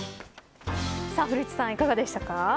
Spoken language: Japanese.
さあ古市さん、いかがでしたか。